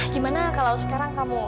gimana kalau sekarang kamu